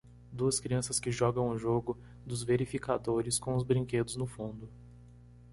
Duas crianças que jogam um jogo dos verificadores com os brinquedos no fundo.